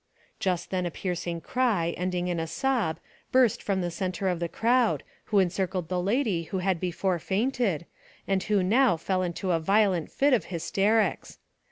Just then a piercing cry, ending in a sob, burst from the centre of the crowd, who encircled the lady who had before fainted, and who now fell into a violent fit of hysterics.